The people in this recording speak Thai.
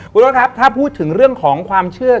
คุณรถครับถ้าพูดถึงเรื่องของความเชื่อ